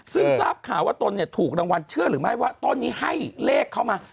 ซึ่งทราบข่าวว่าตนถูกรางวัลเชื่อหรือไม่ว่าต้นนี้ให้เลขเข้ามา